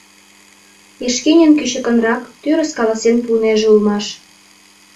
Эшкинин кӱчыкынрак, тӱрыс каласен пуынеже улмаш.